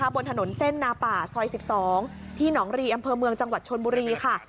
บนถนนเส้นนาป่าซอย๑๒ที่หนองรีอำเภอเมืองจังหวัดชนบุรีค่ะ